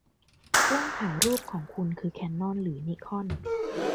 กล้องถ่ายรูปของคุณคือแคนนอนหรือนิคอน